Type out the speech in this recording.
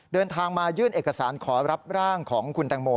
เดินทางมายื่นเอกสารขอรับร่างของคุณแตงโม